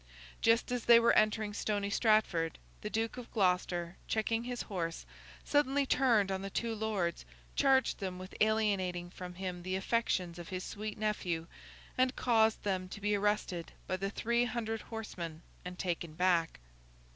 Just as they were entering Stony Stratford, the Duke of Gloucester, checking his horse, turned suddenly on the two lords, charged them with alienating from him the affections of his sweet nephew, and caused them to be arrested by the three hundred horsemen and taken back.